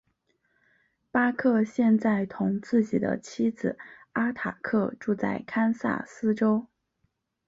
巴克现在同自己的妻子阿塔克住在堪萨斯州。